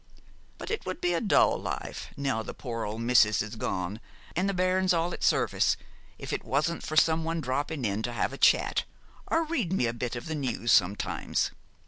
But it would be a dull life, now the poor old missus is gone and the bairns all out at service, if it wasn't for some one dropping in to have a chat, or read me a bit of the news sometimes.